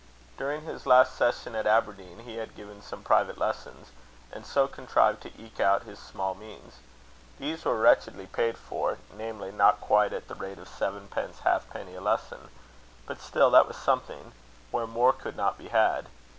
During his last session at Aberdeen, he had given some private lessons, and so contrived to eke out his small means. These were wretchedly paid for, namely, not quite at the rate of sevenpence halfpenny a lesson! but still that was something, where more could not be had.